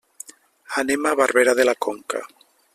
Anem a Barberà de la Conca.